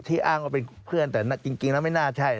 อ้างว่าเป็นเพื่อนแต่จริงแล้วไม่น่าใช่